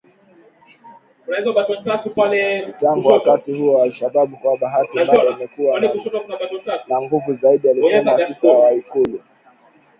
Tangu wakati huo al-Shabab kwa bahati mbaya imekuwa na nguvu zaidi alisema afisa wa Ikulu